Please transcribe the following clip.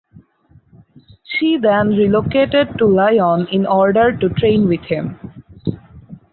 She then relocated to Lyon in order to train with him.